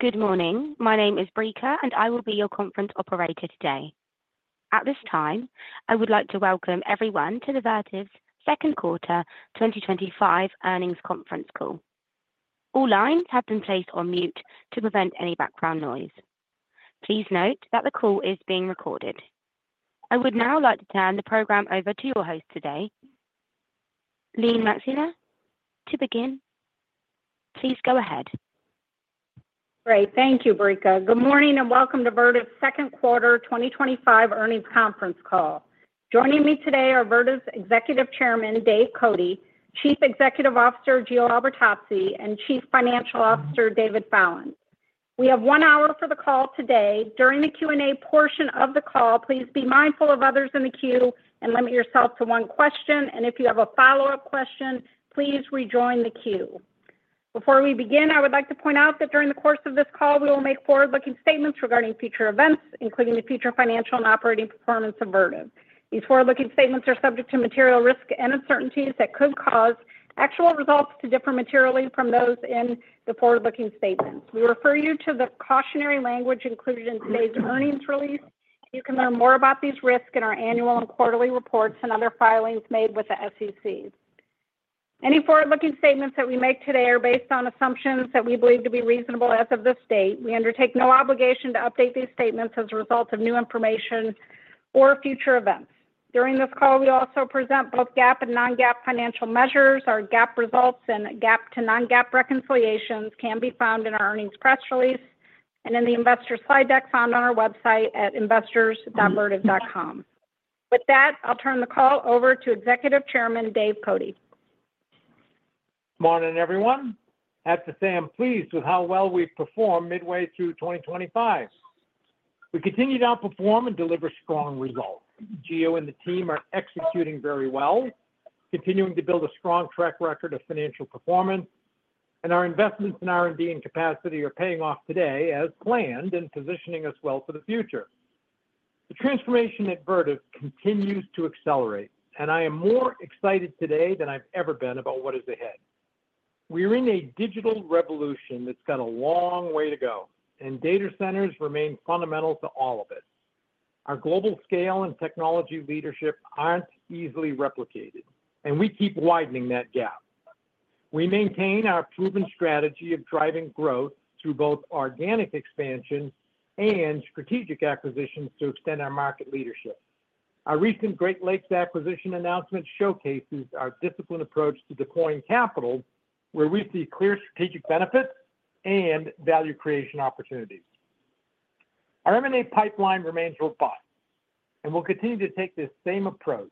Good morning, my name is Breca and I will be your conference operator today. At this time I would like to welcome everyone to Vertiv's second quarter 2025 earnings conference call. All lines have been placed on mute to prevent any background noise. Please note that the call is being recorded. I would now like to turn the program over to your host today, Lynne Maxeiner to begin. Please go ahead. Great. Thank you, Breca. Good morning and welcome to Vertiv's second quarter 2025 earnings conference call. Joining me today are Vertiv's Executive Chairman Dave Cote, Chief Executive Officer Giordano Albertazzi, and Chief Financial Officer David Fallon. We have one hour for the call today. During the Q and A portion of the call, please be mindful of others in the queue and limit yourself to one question, and if you have a follow up question, please rejoin the queue. Before we begin, I would like to point out that during the course of this call we will make forward looking statements regarding future events, including the future financial and operating performance of Vertiv. These forward looking statements are subject to material risks and uncertainties that could cause actual results to differ materially from those in the forward looking statements. We refer you to the cautionary language included in today's earnings release. You can learn more about these risks in our annual and quarterly reports and other filings made with the SEC. Any forward looking statements that we make today are based on assumptions that we believe to be reasonable. As of this date, we undertake no obligation to update these statements as a result of new information or future events. During this call we also present both GAAP and non-GAAP financial measures. Our GAAP results and GAAP to non-GAAP reconciliations can be found in our earnings press release and in the investor slide deck found on our website at investors.vertiv.com. With that, I'll turn the call over to Executive Chairman Dave Cote. Good morning everyone. I have to say I'm pleased with how well we performed midway through 2025. We continue to outperform and deliver strong results. Gio and the team are executing very well, continuing to build a strong track record of financial performance and our investments in R&D and capacity are paying off today as planned and positioning us well for the future. The transformation at Vertiv continues to accelerate and I am more excited today than I've ever been about what is ahead. We are in a digital revolution that's got a long way to go and data centers remain fundamental to all of it. Our global scale and technology leadership aren't easily replicated and we keep widening that gap. We maintain our proven strategy of driving growth through both organic expansion and strategic acquisitions to extend our market leadership. Our recent Great Lakes acquisition announcement showcases our disciplined approach to deploying capital where we see clear strategic benefits and value creation opportunities. Our M&A pipeline remains robust and we'll continue to take this same approach,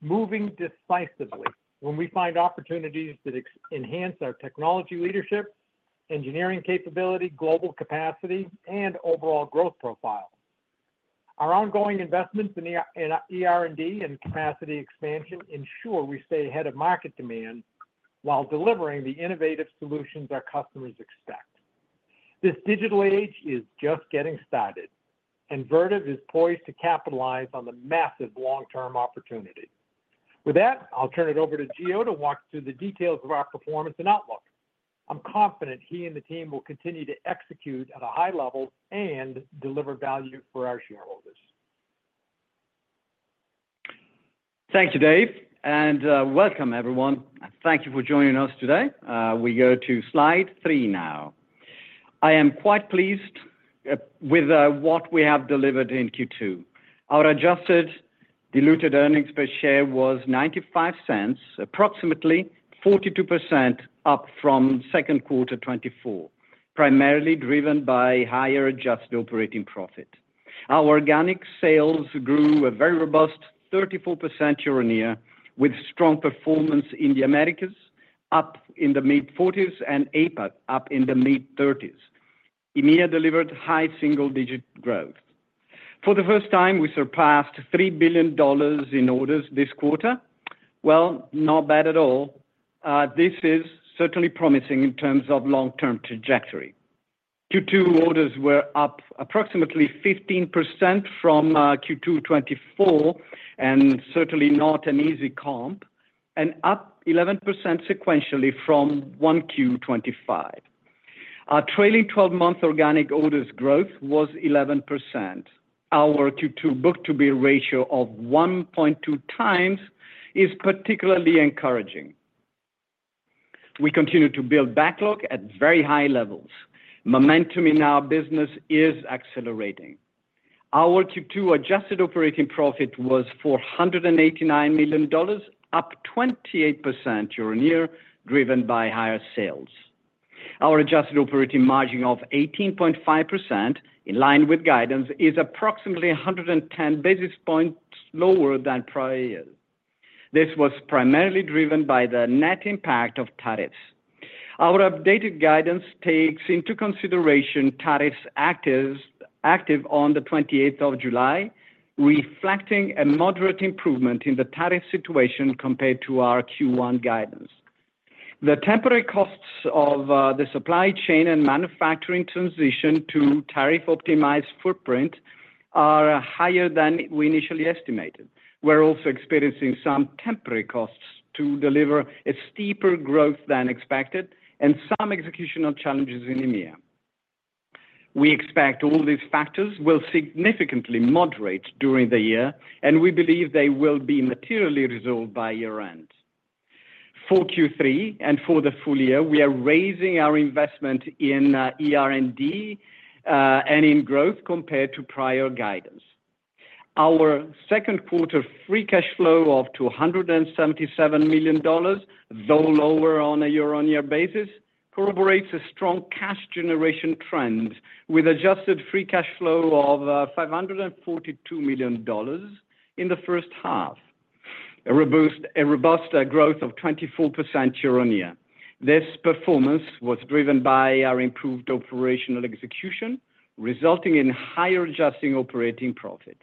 moving decisively when we find opportunities that enhance our technology, leadership, engineering capability, global capacity and overall growth profile. Our ongoing investments in R&D and capacity expansion ensure we stay ahead of market demand while delivering the innovative solutions our customers expect. This digital age is just getting started and Vertiv is poised to capitalize on the massive long term opportunity. With that, I'll turn it over to Gio to walk through the details of our performance and outlook. I'm confident he and the team will continue to execute at a high level and deliver value for our shareholders. Thank you Dave and welcome everyone. Thank you for joining us today. We go to slide three now. I am quite pleased with what we have delivered in Q2. Our adjusted diluted earnings per share was $0.95, approximately 42% up from second quarter 2024, primarily driven by higher adjusted operating profit. Our organic sales grew a very robust 34% year-on-year with strong performance in the Americas up in the mid-40s and APAC up in the mid-30s. EMEA delivered high single digit growth for the first time. We surpassed $3 billion in orders this quarter. This is certainly promising in terms of long term trajectory. Q2 orders were up approximately 15% from Q2 '24 and certainly not an easy comp and up 11% sequentially from Q1 '25. Our trailing 12 month organic orders growth was 11%. Our Q2 book-to-bill ratio of 1.2 times is particularly encouraging. We continue to build backlog at very high levels. Momentum in our business is accelerating. Our Q2 adjusted operating profit was $489 million up 28% year-on-year driven by higher sales. Our adjusted operating margin of 18.5% in line with guidance is approximately 110 basis points lower than prior year. This was primarily driven by the net impact of tariffs. Our updated guidance takes into consideration tariffs active on 28th of July, reflecting a moderate improvement in the tariff situation compared to our Q1 guidance. The temporary costs of the supply chain and manufacturing transition to tariff optimized footprint are higher than we initially estimated. We're also experiencing some temporary costs to deliver a steeper growth than expected and some executional challenges in EMEA. We expect all these factors will significantly moderate during the year and we believe they will be materially resolved by year end. For Q3 and for the full year, we are raising our investment in R&D and in growth compared to prior guidance. Our second quarter free cash flow of $277 million, though lower on a year-on-year basis, corroborates a strong cash generation trend. With adjusted free cash flow of $542 million in the first half, a robust growth of 24% year-on-year. This performance was driven by our improved operational execution resulting in higher adjusted operating profit.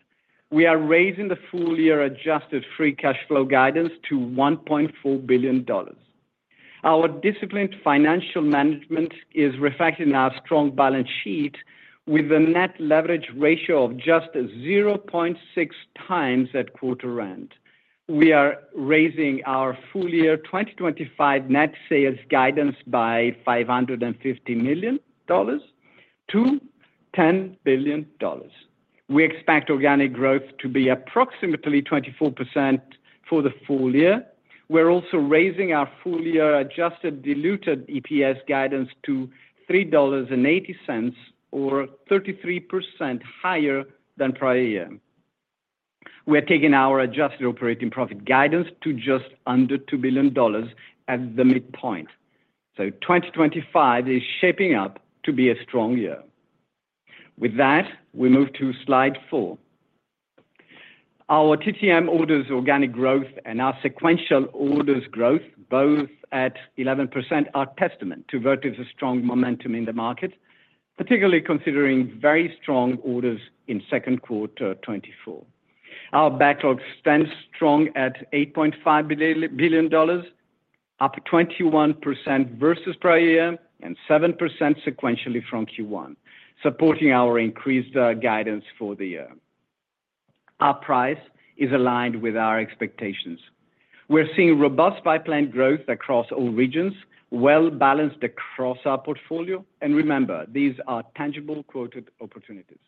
We are raising the full year adjusted free cash flow guidance to $1.4 billion. Our disciplined financial management is reflecting our strong balance sheet with a net leverage ratio of just 0.6 times at quarter end. We are raising our full year 2025 net sales guidance by $550 million-$10 billion. We expect organic growth to be approximately 24% for the full year. We're also raising our full year adjusted diluted EPS guidance to $3.80 or 33% higher than prior year. We are taking our adjusted operating profit guidance to just under $2 billion at the midpoint. 2025 is shaping up to be a strong year. With that, we move to slide 4. Our TTM orders organic growth and our sequential orders growth, both at 11%, are testament to Vertiv's strong momentum in the market, particularly considering very strong orders. In second quarter 2024, our backlog stands strong at $8.5 billion, up 21% versus prior year and 7% sequentially from Q1, supporting our increased guidance for the year. Our price is aligned with our expectations. We're seeing robust pipeline growth across all regions, well balanced across our portfolio. Remember, these are tangible quoted opportunities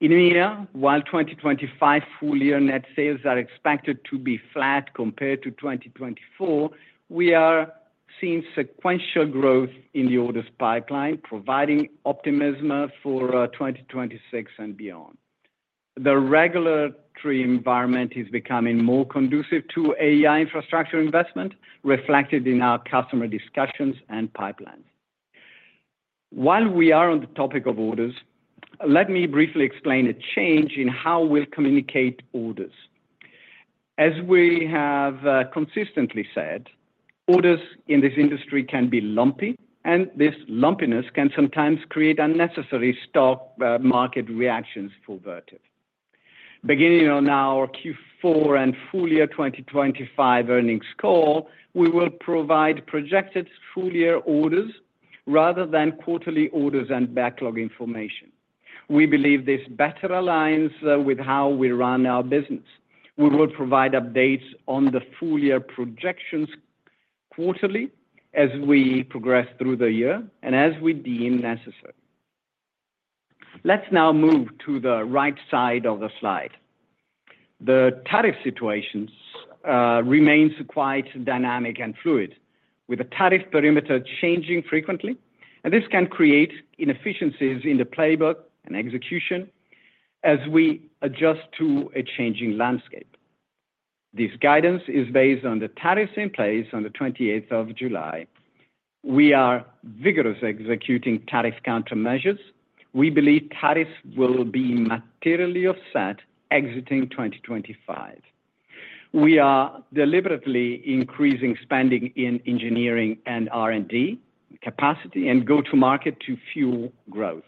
in EMEA. While 2025 full year net sales are expected to be flat compared to 2024, we are seeing sequential growth in the orders pipeline, providing optimism for 2026 and beyond. The regulatory environment is becoming more conducive to AI Infrastructure investment reflected in our customer discussions and pipelines. While we are on the topic of orders, let me briefly explain a change in how we'll communicate orders. As we have consistently said, orders in this industry can be lumpy and this lumpiness can sometimes create unnecessary stock market reactions for Vertiv. Beginning on our Q4 and full year 2025 earnings call, we will provide projected full year orders rather than quarterly orders and backlog information. We believe this better aligns with how we run our business. We will provide updates on the full year projections quarterly as we progress through the year and as we deem necessary. Let's now move to the right side of the slide. The tariff situation remains quite dynamic and fluid with the tariff perimeter changing frequently and this can create inefficiencies in the playbook and execution as we adjust to a changing landscape. This guidance is based on the tariffs in place on 28th of July. We are vigorously executing tariff countermeasures. We believe tariffs will be materially offset exiting 2025. We are deliberately increasing spending in engineering and R&D capacity and go to market to fuel growth.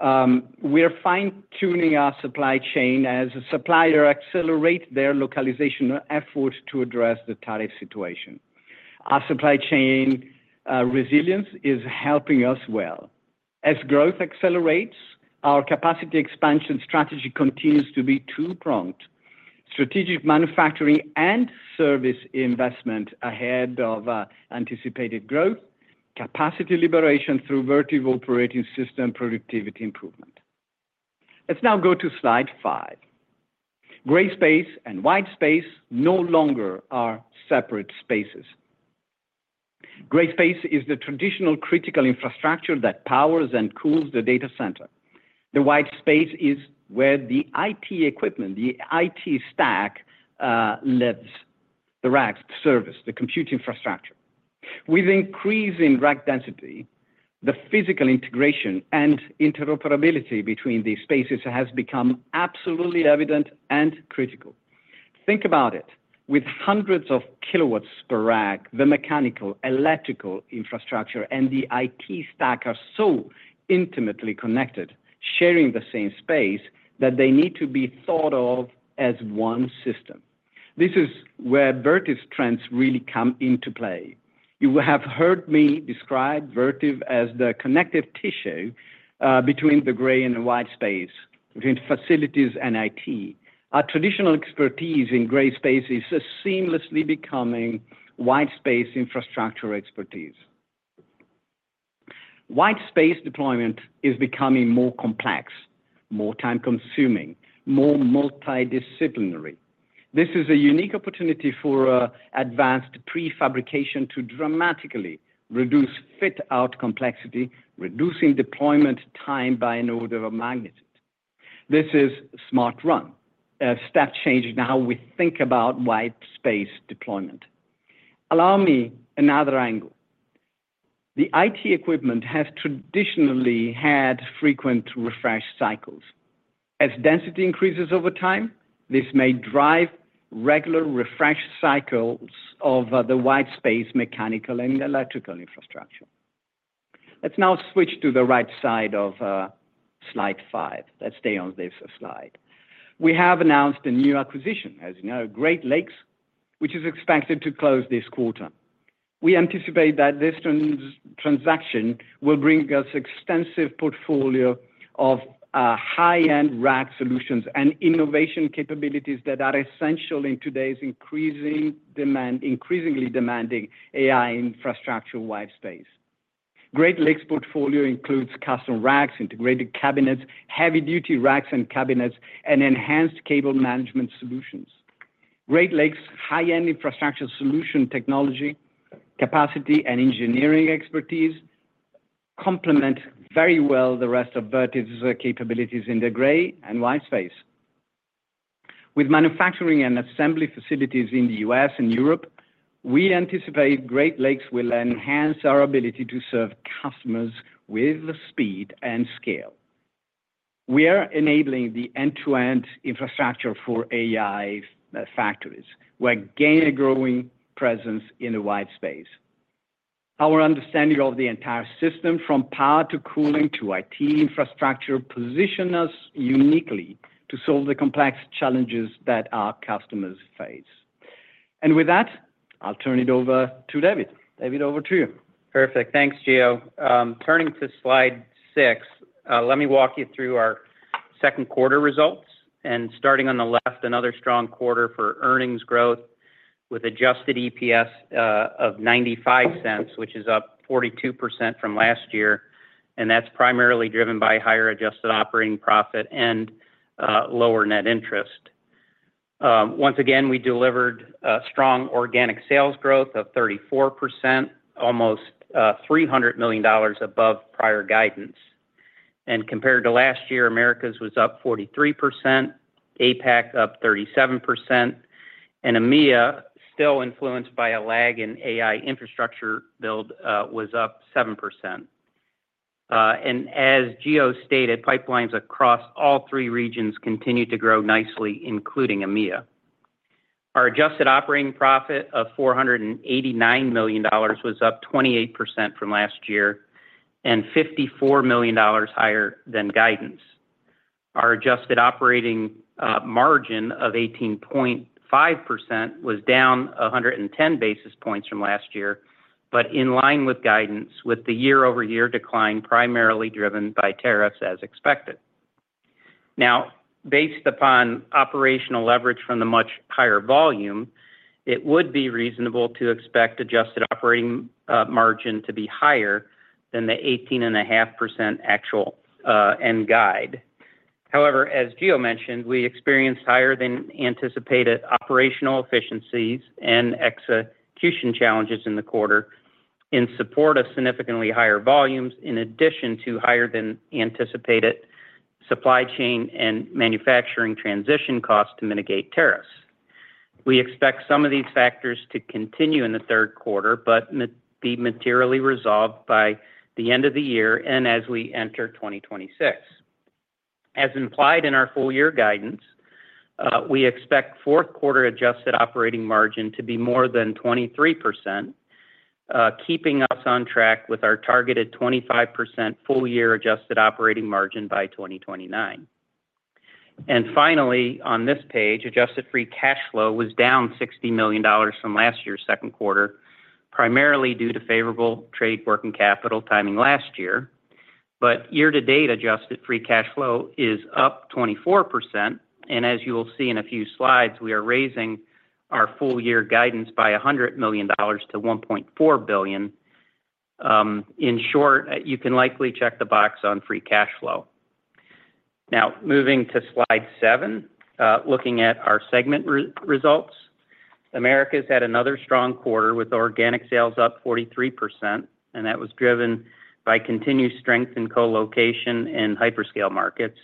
We are fine tuning our supply chain as suppliers accelerate their localization effort to address the tariff situation. Our supply chain resilience is helping us well as growth accelerates. Our capacity expansion strategy continues to be two-pronged: strategic manufacturing and service investment ahead of anticipated growth, capacity liberation through vertical operating system productivity improvement. Let's now go to slide 5. Gray Space and White Space no longer are separate spaces. Gray Space is the traditional critical infrastructure that powers and cools the data center. The White Space is where the IT equipment, the IT stack lives, the racks, the servers, the compute infrastructure. With increasing rack density, the physical integration and interoperability between these spaces has become absolutely evident and critical. Think about it. With hundreds of kilowatts per rack, the mechanical, electrical infrastructure and the IT stack are so intimately connected, sharing the same space that they need to be thought of as one system. This is where Vertiv's trends really come into play. You have heard me describe Vertiv as the connective tissue between the gray and the White Space, between facilities and IT. Our traditional expertise in gray space is seamlessly becoming White Space infrastructure expertise. White space deployment is becoming more complex, more time consuming, more multidisciplinary. This is a unique opportunity for advanced prefabrication to dramatically reduce fit out complexity, reducing deployment time by an order of magnitude. This is SmartRun, a step change. Now we think about White Space deployment. Allow me another angle. The IT equipment has traditionally had frequent refresh cycles. As density increases over time, this may drive regular refresh cycles of the White Space mechanical and electrical infrastructure. Let's now switch to the right side of slide 5. Let's stay on this slide. We have announced a new acquisition, as Great Lakes, which is expected to close this quarter. We anticipate that this transaction will bring us an extensive portfolio of high-end rack solutions and innovation capabilities that are essential in today's increasingly demanding AI Infrastructure. White space Great Lakes portfolio includes custom racks, integrated cabinets, heavy duty racks and cabinets, and enhanced cable management solutions. Great Lakes high end infrastructure solution technology, capacity, and engineering expertise complement very well the rest of Vertiv's capabilities in the gray and White Space. With manufacturing and assembly facilities in the U.S. and Europe, we anticipate Great Lakes will enhance our ability to serve customers with speed and scale. We are enabling the end to end infrastructure for AI factories where we gain a growing presence in the White Space. Our understanding of the entire system from power to cooling to IT infrastructure positions us uniquely to solve the complex challenges that our customers face. With that, I'll turn it over to David. David, over to you. Perfect. Thanks, Gio. Turning to Slide six, let me walk you through our second quarter results and starting on the left, another strong quarter for earnings growth with adjusted EPS of $0.95, which is up 42% from last year and that's primarily driven by higher adjusted operating profit and lower net interest. Once again, we delivered strong organic sales growth of 34%, almost $300 million above prior guidance, and compared to last year, Americas was up 43%, APAC up 37%, and EMEA, still influenced by a lag in AI Infrastructure build, was up 7%, and as Gio stated, pipelines across all three regions continued to grow nicely, including EMEA. Our adjusted operating profit of $489 million was up 28% from last year and $54 million higher than guidance. Our adjusted operating margin of 18.5% was down 110 basis points from last year, but in line with guidance, with the year-over-year decline primarily driven by tariffs as expected. Now, based upon operational leverage from the much higher volume, it would be reasonable to expect adjusted operating margin to be higher than the 18.5% actual and guide. However, as Gio mentioned, we experienced higher than anticipated operational inefficiencies and execution challenges in the quarter in support of significantly higher volumes, in addition to higher than anticipated supply chain and manufacturing transition costs to mitigate tariffs. We expect some of these factors to continue in the third quarter but be materially resolved by the end of the year and as we enter 2026. As implied in our full year guidance, we expect fourth quarter adjusted operating margin to be more than 23%, keeping us on track with our targeted 25% full year adjusted operating margin by 2029. Finally, on this page, adjusted free cash flow was down $60 million from last year's second quarter, primarily due to favorable trade working capital timing last year. Year to date, adjusted free cash flow is up 24%, and as you will see in a few slides, we are raising our full year guidance by $100 million to $1.4 billion. In short, you can likely check the box on free cash flow. Now, moving to slide seven. Looking at our segment results, Americas had another strong quarter with organic sales up 43%, and that was driven by continued strength in Colocation and Hyperscale markets,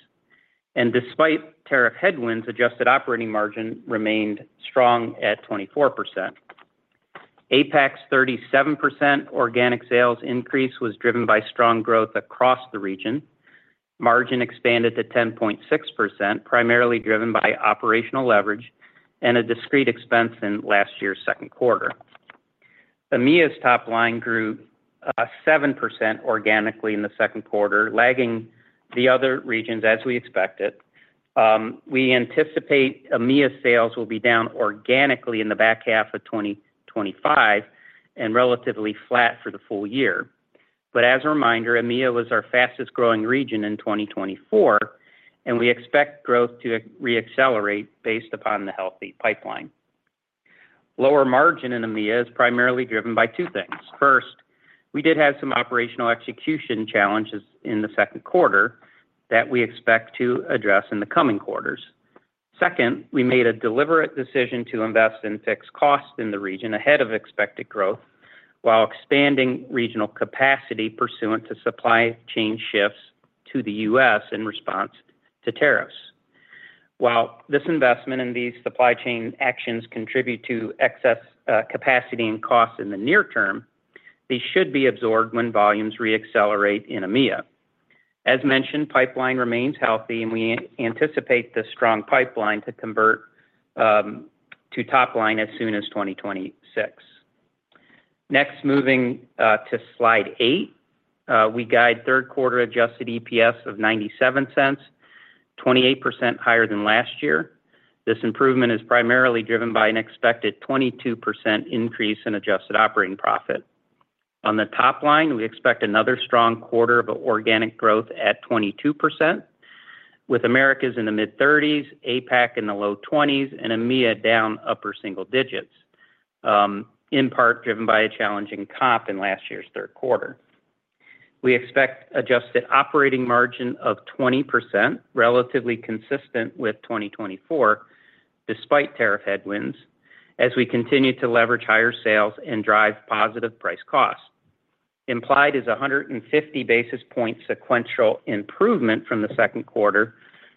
and despite tariff headwinds, adjusted operating margin remained strong at 24%. APAC's 37% organic sales increase was driven by strong growth across the region. Margin expanded to 10.6%, primarily driven by operational leverage and a discrete expense in last year's second quarter. EMEA's top line grew 7% organically in the second quarter, lagging the other regions as we expected. We anticipate EMEA sales will be down organically in the back half of 2025 and relatively flat for the full year. As a reminder, EMEA was our fastest growing region in 2024 and we expect growth to reaccelerate based upon the healthy pipeline. Lower margin in EMEA is primarily driven by two things. First, we did have some operational execution challenges in the second quarter that we expect to address in the coming quarters. Second, we made a deliberate decision to invest in fixed costs in the region ahead of expected growth while expanding regional capacity pursuant to supply chain shifts to the U.S. in response to tariffs. While this investment and these supply chain actions contribute to excess capacity and cost in the near term, these should be absorbed when volumes reaccelerate in EMEA. As mentioned, pipeline remains healthy and we anticipate the strong pipeline to convert to top line as soon as 2026. Next, moving to Slide 8, we guide third quarter adjusted EPS of $0.97, 28% higher than last year. This improvement is primarily driven by an expected 22% increase in adjusted operating profit. On the top line, we expect another strong quarter of organic growth at 22% with Americas in the mid-30s, APAC in the low 20s, and EMEA down upper single digits in part driven by a challenging comp in last year's third quarter. We expect adjusted operating margin of 20% relatively consistent with 2024 despite tariff headwinds as we continue to leverage higher sales and drive positive price costs. Implied is 150 basis point sequential improvement from the second quarter,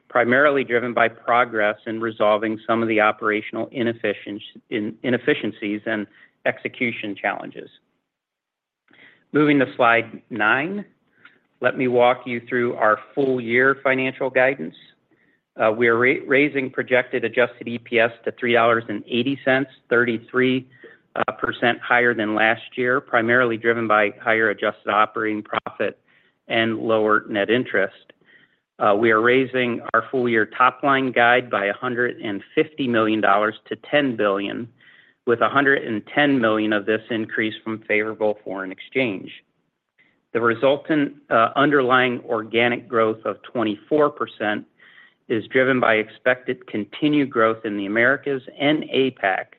primarily driven by progress in resolving some of the operational inefficiencies and execution challenges. Moving to Slide 9, let me walk you through our full year financial guidance. We are raising projected adjusted EPS to $3.80, 33% higher than last year, primarily driven by higher adjusted operating profit and lower net interest. We are raising our full year top line guide by $150 million-$10 billion with $110 million of this increase from favorable foreign exchange. The resultant underlying organic growth of 24% is driven by expected continued growth in the Americas and APAC.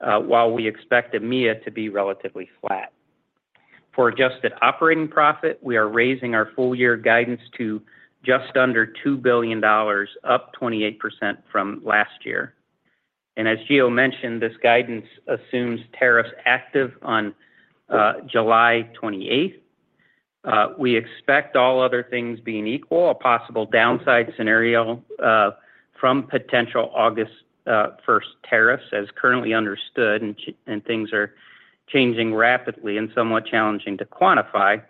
While we expect EMEA to be relatively flat for adjusted operating profit, we are raising our full year guidance to just under $2 billion, up 28% from last year. As Gio mentioned, this guidance assumes tariffs active on July 28th. We expect, all other things being equal, a possible downside scenario from potential August 1st tariffs as currently understood and things are changing rapidly and somewhat challenging to quantify,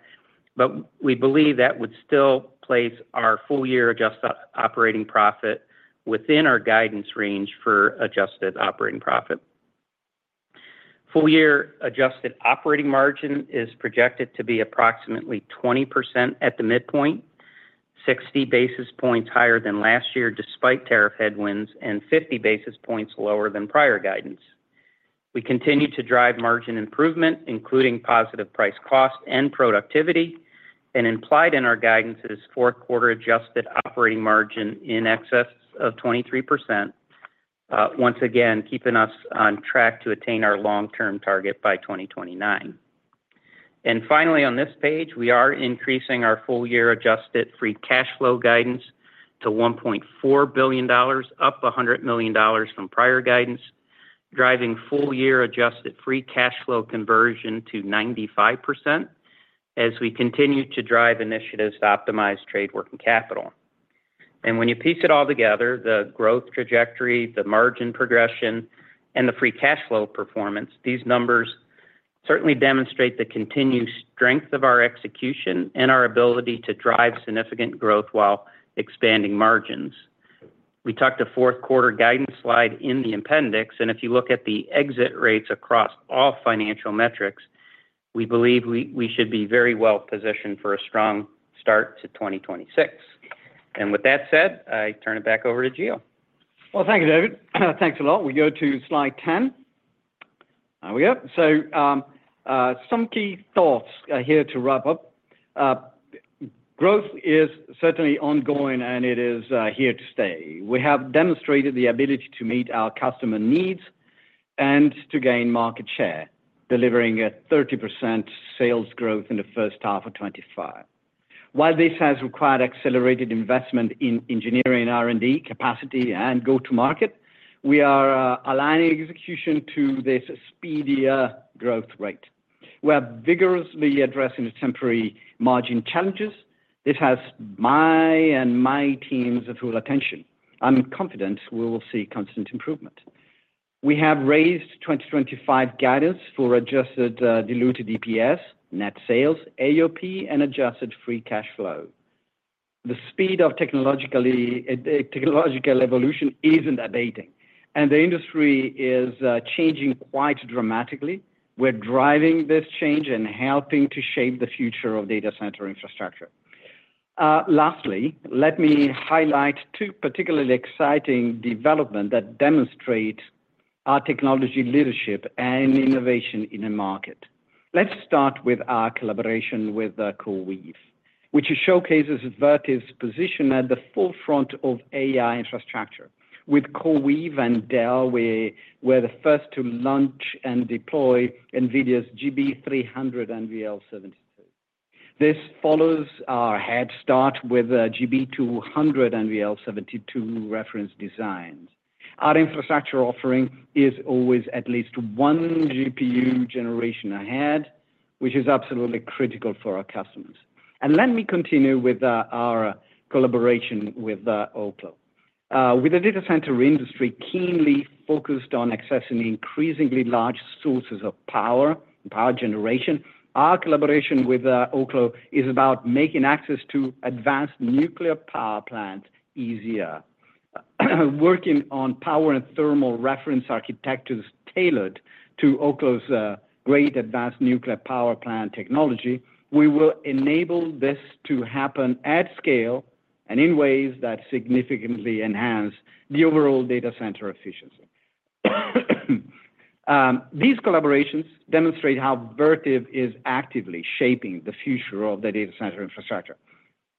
but we believe that would still place our full year adjusted operating profit within our guidance range. For adjusted operating profit, full year adjusted operating margin is projected to be approximately 20% at the midpoint, 60 basis points higher than last year despite tariff headwinds and 50 basis points lower than prior guidance. We continue to drive margin improvement including positive price, cost and productivity. Implied in our guidance is fourth quarter adjusted operating margin in excess of 23% once again keeping us on track to attain our long term target by 2029. Finally on this page we are increasing our full year adjusted free cash flow guidance to $1.4 billion, up $100 million from prior guidance driving full year adjusted free cash flow conversion to 95% as we continue to drive initiatives to optimize trade working capital and when you piece it all together, the growth trajectory, the margin progression and the free cash flow performance, these numbers certainly demonstrate the continued strength of our execution and our ability to drive significant growth while expanding margins. We talked a fourth quarter guidance slide in the appendix and if you look at the exit rates across all financial metrics, we believe we should be very well positioned for a strong start to 2026. With that said, I turn it back over to Gio. Thank you, David. Thanks a lot. We go to slide 10. Some key thoughts here to wrap up. Growth is certainly ongoing and it is here to stay. We have demonstrated the ability to meet our customer needs and to gain market share, delivering a 30% sales growth in the first half of 2025. While this has required accelerated investment in engineering, R&D capacity and go to market, we are aligning execution to this speedier growth rate. We are vigorously addressing the temporary margin challenges. This has my and my team's full attention. I'm confident we will see constant improvement. We have raised 2025 guidance for adjusted diluted EPS, net sales, AOP and adjusted free cash flow. The speed of technological evolution isn't abating and the industry is changing quite dramatically. We're driving this change and helping to shape the future of data center infrastructure. Lastly, let me highlight two particularly exciting developments that demonstrate our technology leadership and innovation in the market. Let's start with our collaboration with CoreWeave, which showcases Vertiv's position at the forefront of AI Infrastructure. With CoreWeave and Dell Technologies, we were the first to launch and deploy NVIDIA's GB300 NVL72. This follows our head start with GB200 NVL72 reference designs. Our infrastructure offering is always at least one GPU generation ahead, which is absolutely critical for our customers. Let me continue with our collaboration with Oklo. With the data center industry keenly focused on accessing increasingly large sources of power generation, our collaboration with Oklo is about making access to advanced nuclear power plants easier. Working on power and thermal reference architectures tailored to Oklo's great advanced nuclear power plant technology, we will enable this to happen at scale and in ways that significantly enhance the overall data center efficiency. These collaborations demonstrate how Vertiv is actively shaping the future of the data center infrastructure,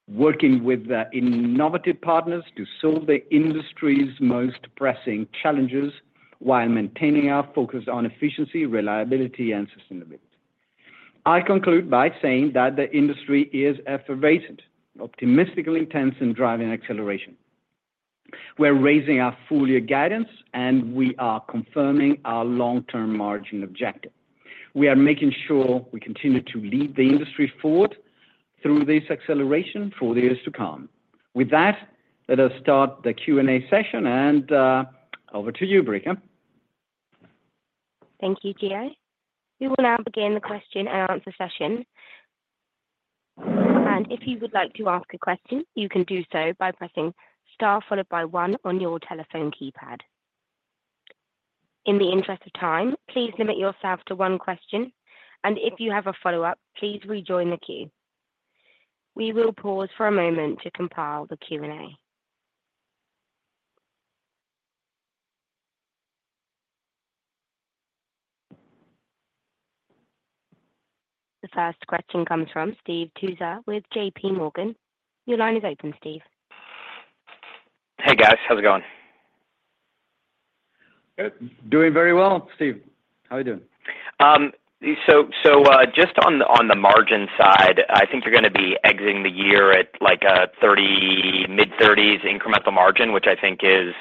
working with innovative partners to solve the industry's most pressing challenges while maintaining our focus on efficiency, reliability and sustainability. I conclude by saying that the industry is effervescent, optimistically intense in driving acceleration. We're raising our full year guidance and we are confirming our long term margin objective. We are making sure we continue to lead the industry forward through this acceleration for the years to come. With that, let us start the Q&A session and over to you, Breca. Thank you, Gio. We will now begin the question and answer session, and if you would like to ask a question, you can do so by pressing STAR followed by one on your telephone keypad. In the interest of time, please limit yourself to one question, and if you have a follow up, please rejoin the queue. We will pause for a moment to compile the Q and A. The first question comes from Steve Tusa with J.P. Morgan. Your line is open, Steve. Hey guys, how's it going? Doing very well, Steve. How are you doing? Just on the margin side, I think you're going to be exiting the year at like a mid-30s incremental margin, which I think is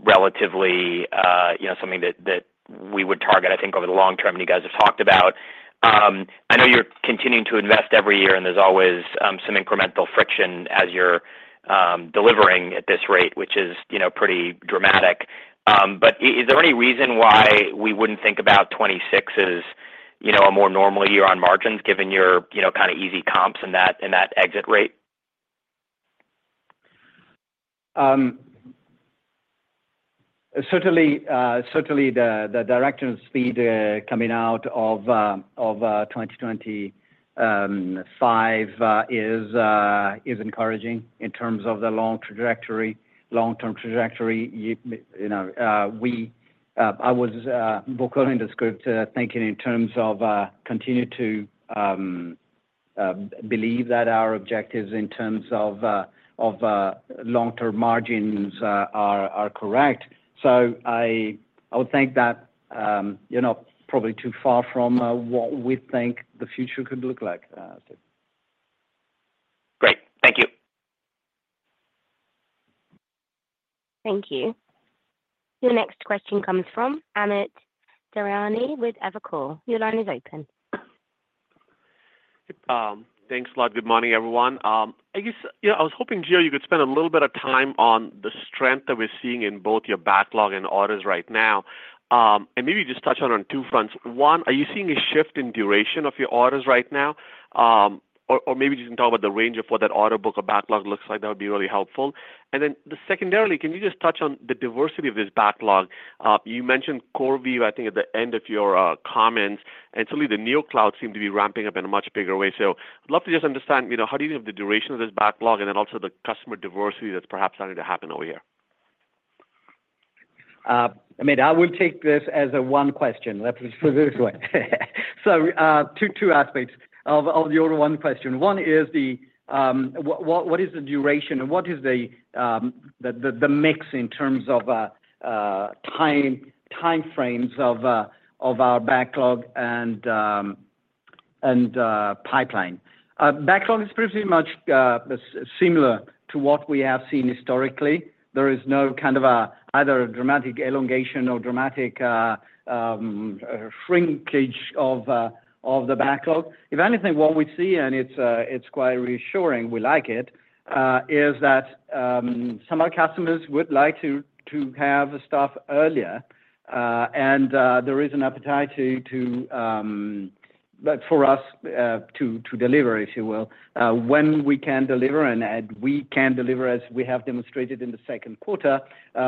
relatively something that we would target I think over the long term. You guys have talked about, I know you're continuing to invest every year and there's always some incremental friction as you're delivering at this rate, which is pretty dramatic, but is there any reason why we wouldn't think about 2026 as a more normal year on margins, given your kind of easy comps in that exit rate? Certainly the direction of speed coming out of 2025 is encouraging in terms of the long trajectory, long term trajectory, I was vocal in the script thinking in terms of continue to believe that our objectives in terms of long term margins are correct. I would think that you're not probably too far from what we think the future could look like. Great, thank you. Thank you. Your next question comes from Amit Daryanani with Evercore. Your line is open. Thanks a lot. Good morning everyone. I was hoping, Gio, you could spend a little bit of time on the strength that we're seeing in both your backlog and orders right now and maybe just touch on two fronts. One, are you seeing a shift in duration of your orders right now? Or maybe just talk about the range of what that order book or backlog looks like. That would be really helpful. Then secondarily, can you just touch on the diversity of this backlog? You mentioned CoreWeave, I think at the end of your comments, and certainly the Neo Cloud seem to be ramping up in a much bigger way. I'd love to just understand how do you think of the duration of this backlog and then also the customer diversity that's perhaps starting to happen over here. I mean, I will take this as a one question. Let's put it this way. Two aspects of your one question. One is the what is the duration and what is the mix in terms of time frames of our backlog and pipeline. Backlog is pretty much similar to what we have seen historically. There is no kind of either dramatic elongation or dramatic shrinkage of the backlog. If anything, what we see, and it's quite reassuring, we like it, is that some of our customers would like to have stuff earlier and there is an appetite. For us to deliver, if you will, when we can deliver and we can deliver. As we have demonstrated in the second quarter,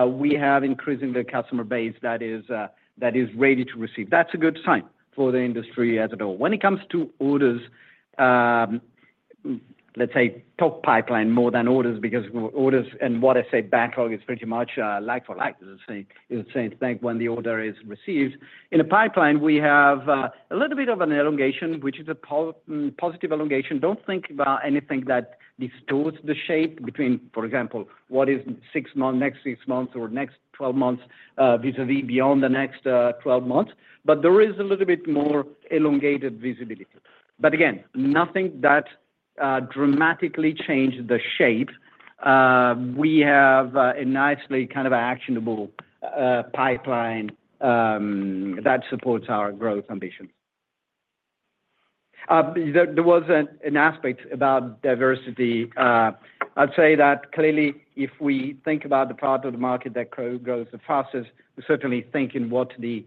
we have increasing the customer base that is ready to receive. That's a good sign for the industry as it all when it comes to orders, let's say top pipeline more than orders because orders and what I say backlog is pretty much like for like when the order is received in a pipeline, we have a little bit of an elongation which is a positive elongation. Do not think about anything that distorts the shape between for example, what is six months, next six months or next 12 months vis a vis, beyond the next 12 months. There is a little bit more elongated visibility. Again, nothing that dramatically changed the shape. We have a nicely kind of actionable pipeline that supports our growth ambitions. There was an aspect about diversity, I'd say that clearly if we think about the part of the market that grows the fastest, we certainly think in what the,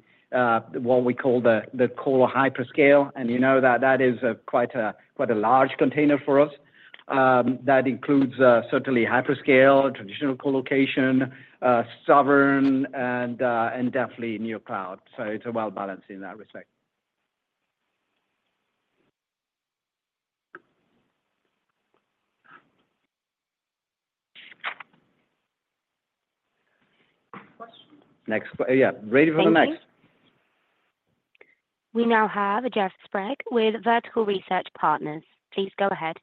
what we call the core Hyperscale, that that is quite a, quite a large container for us that includes certainly Hyperscale, traditional Colocation, sovereign and definitely new cloud. It is well balanced in that respect. Next, ready for the next. We now have Jeff Sprague with Vertical Research Partners. Please go ahead.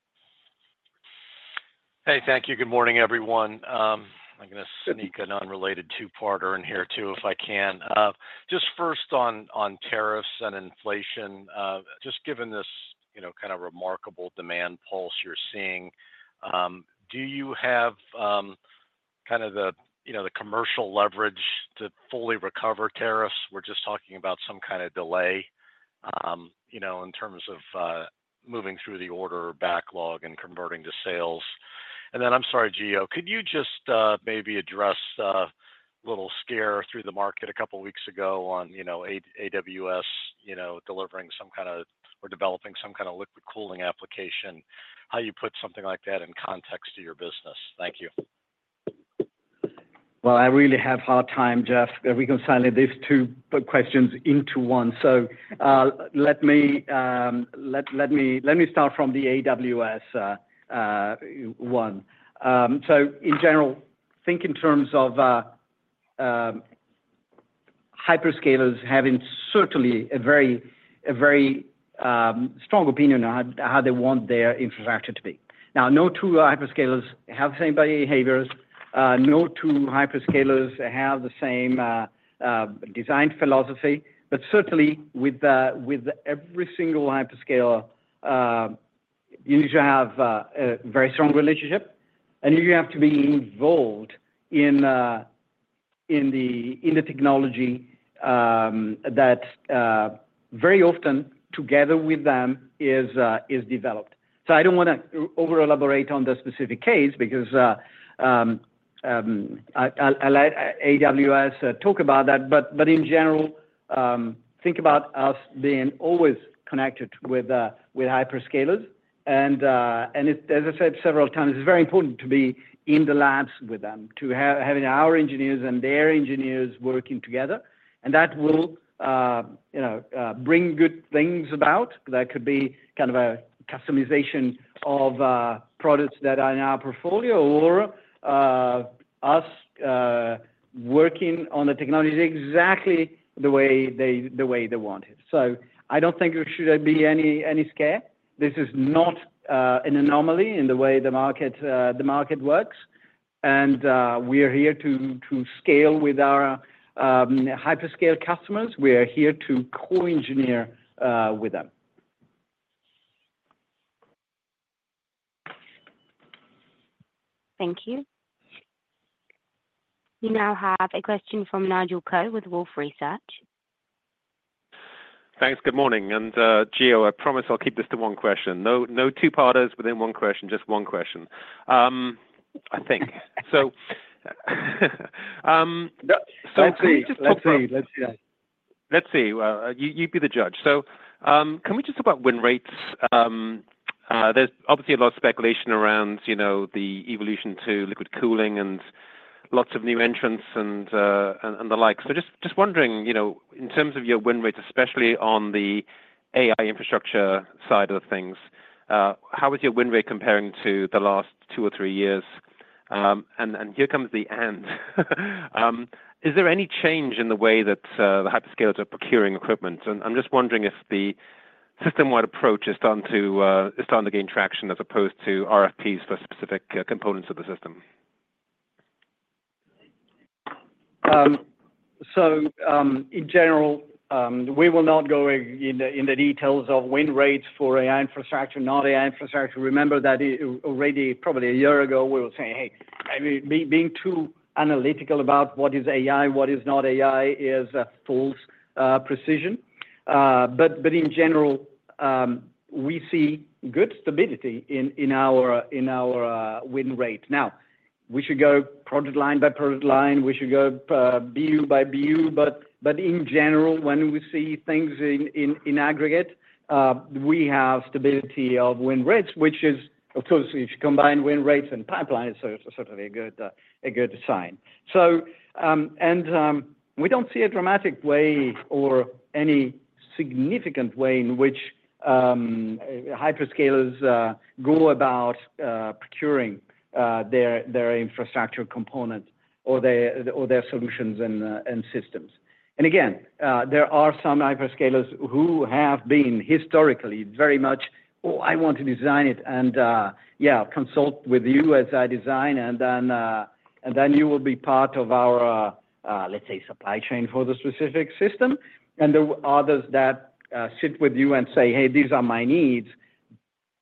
Hey, thank you. Good morning everyone. I'm going to sneak an unrelated two-parter in here too, if I can. Just first on tariffs and inflation, just given this kind of remarkable demand pulse you're seeing, do you have kind of the commercial leverage to fully recover tariffs? We're just talking about some kind of delay in terms of moving through the order backlog and converting to sales and then I'm sorry, Gio, could you just maybe address little scare through the market a couple weeks ago on AWS, delivering some kind of, or developing some kind of Liquid Cooling application. How you put something like that in context to your business. Thank you. I really have a hard time, Jeff, reconciling these two questions into one. Let me start from the AWS one. In general, think in terms of Hyperscalers having certainly a very strong opinion on how they want their infrastructure to be. No two Hyperscalers have the same behaviors, no two Hyperscalers have the same design philosophy. Certainly with every single Hyperscaler you need to have a very strong relationship and you have to be involved in the technology that very often together with them is developed. I do not want to over elaborate on the specific case because I will let AWS talk about that. In general, think about us being always connected with Hyperscalers. As I said several times, it is very important to be in the labs with them, to have our engineers and their engineers working together and that will bring good things about. That could be kind of a customization of products that are in our portfolio or us working on the technology exactly the way they want it. I do not think there should be any scare. This is not an anomaly in the way the market works. We are here to scale with our Hyperscale customers, we are here to co-engineer with them. Thank you. We now have a question from Nigel Koh with Wolfe Research. Thanks, good morning and Gio, I promise I'll keep this to one question. No two partners within one question. Just one question. Let's see, you be the judge, can we just talk about win rates? There's obviously a lot of speculation around the evolution to Liquid Cooling and lots of new entrants and the like. Just wondering, in terms of your win rates, especially on the AI Infrastructure side of things, how is your win rate comparing to the last two or three years? Here comes the end. Is there any change in the way that the Hyperscalers are procuring equipment? I'm just wondering if the system wide approach is starting to gain traction as opposed to RFPs for specific components of the system. In general we will not go into the details of win rates for AI Infrastructure, not AI Infrastructure. Remember that already probably a year ago we were saying, hey, being too analytical about what is AI, what is not AI is false precision. In general we see good stability in our win rate. We should go product line by product line, we should go BU by BU, but in general when we see things in aggregate, we have stability of win rates, which is, of course, if you combine win rates and pipeline, certainly a good design. We do not see a dramatic way or any significant way in which Hyperscalers go about procuring their infrastructure component or their solutions and systems. There are some Hyperscalers who have been historically very much, oh, I want to design it and consult with you as a design, and then you will be part of our, let's say, supply chain for the specific system. There are others that sit with you and say, hey, these are my needs,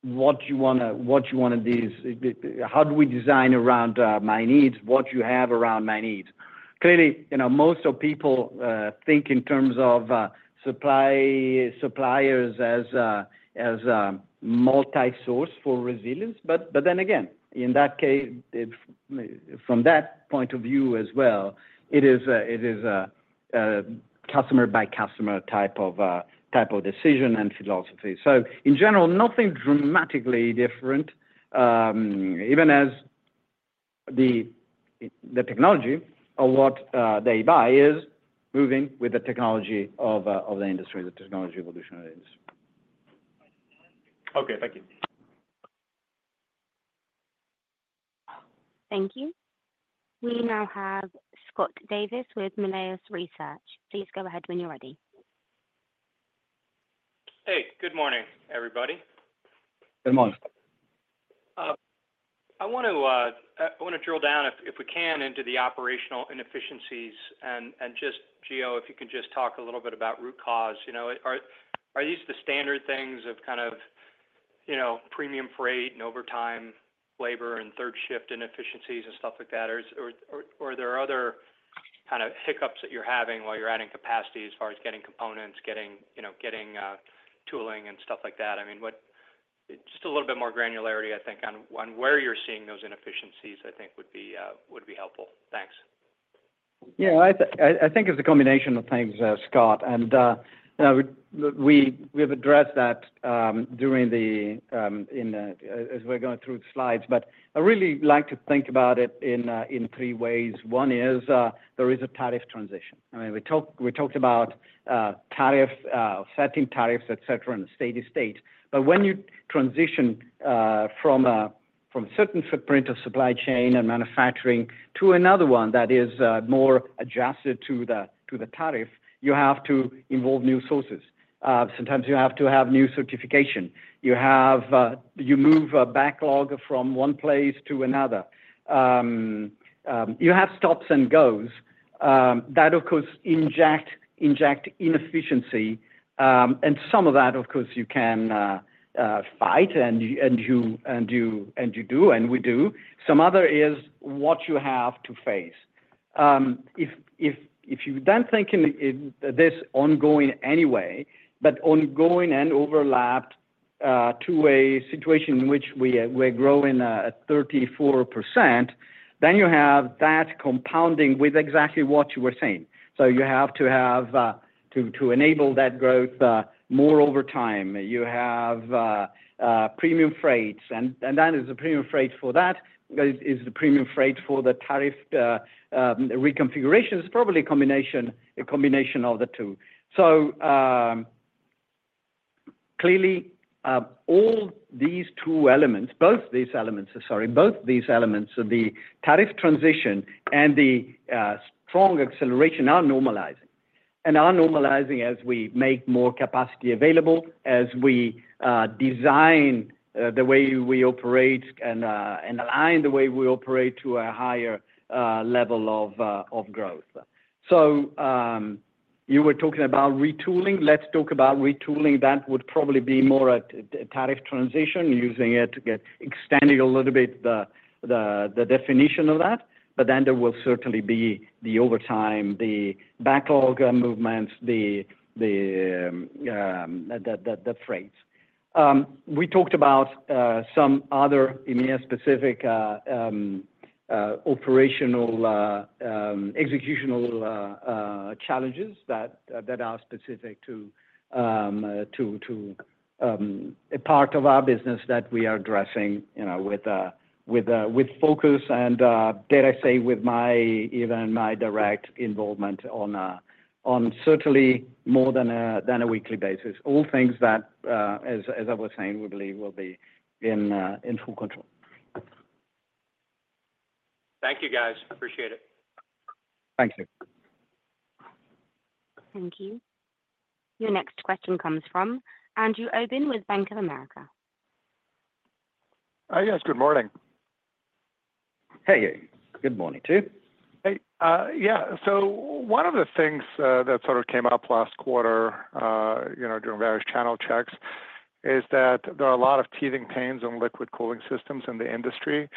what you want to, what you want, how do we design around my needs, what you have around my needs. Clearly, most people think in terms of suppliers as multi-source for resilience, but then again, in that case, from that point of view as well, it is a customer-by-customer type of decision and philosophy. In general, nothing dramatically different, even as the technology or what they buy is moving with the technology of the industry, the technology evolutionary. Okay, thank you. Thank you. We now have Scott Davis with Melius Research. Please go ahead when you're ready. Hey, good morning everybody. Good morning. I want to drill down, if we can, into the operational inefficiencies and just Gio, if you can just talk a little bit about root cause, are these the standard things of kind of premium freight and overtime labor and third shift inefficiencies and stuff like that, or there are other kind of hiccups that you're having while you're adding capacity as far as getting components, getting tooling and stuff like that I mean, what just a little bit more granularity I think on where you're seeing those inefficiencies, I think would be helpful. Thanks. Yeah, I think it's a combination of things, Scott. We have addressed that during the, as we're going through the slides, but I really like to think about it in three ways. One is there is a tariff transition. I mean, we talked about tariff setting, tariffs, etc., in a state to state. When you transition from a certain footprint of supply chain and manufacturing to another one that is more adjusted to the tariff, you have to involve new sources. Sometimes you have to have new certification. You move a backlog from one place to another. You have stops and goes that, of course, inject inefficiency, and some of that, of course, you can fight and you do and we do. Some other is what you have to face. If you then think this ongoing anyway, but ongoing and overlapped to a situation in which we're growing at 34%, then you have that compounding with exactly what you were saying. You have to enable that growth more over time. You have premium freights, and that is the premium freight for, that is the premium freight for the tariff reconfigurations, probably a combination of the two. Clearly, both these elements, the tariff transition and the strong acceleration, are normalizing and are normalizing as we make more capacity available as we design the way we operate and align the way we operate to a higher level of growth. You were talking about retooling. Let's talk about retooling. That would probably be more a tariff transition, using it to get, extending a little bit the definition of that. There will certainly be, over time, the backlog movements, the freight. We talked about some other EMEA specific operational executional challenges that are specific to part of our business that we are addressing with focus and, dare I say, with even my direct involvement on certainly more than a weekly basis. All things that, as I was saying, we believe will be in full control. Thank you guys. Appreciate it. Thank you. Thank you. Your next question comes from Andrew Obin with Bank of America. Yes, good morning. Hey, good morning too. Yeah, so one of the things that sort of came up last quarter, during various channel checks, is that there are a lot of teething pains on Liquid Cooling systems in the industry.